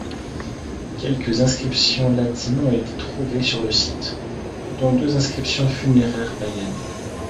Quelques inscriptions latines ont été trouvées sur le site, dont deux inscriptions funéraires païennes.